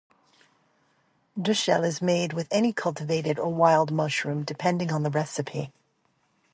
Duxelles is made with any cultivated or wild mushroom, depending on the recipe.